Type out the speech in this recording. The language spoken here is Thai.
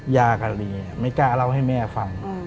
ยากันอะไรอย่างนี้ไม่กล้าเล่าให้แม่ฟัง